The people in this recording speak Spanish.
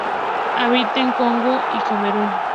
Habita en el Congo y en Camerún.